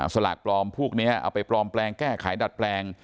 สลากปลอมพวกนี้เอาไปปลอมแปลงแก้ไขดัดแปลง